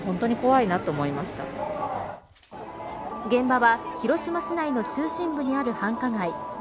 現場は広島市内の中心部にある繁華街。